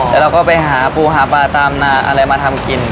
แต่เราก็ไปหาปูหาปลาตามนาอะไรมาทำกิน